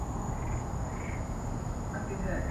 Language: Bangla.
হ্যাঁ, পারি।